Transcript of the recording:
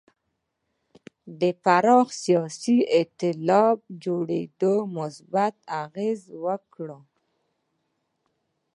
د پراخ سیاسي اېتلاف جوړېدو مثبت اغېز وکړ.